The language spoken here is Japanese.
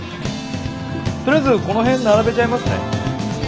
とりあえずこの辺並べちゃいますね。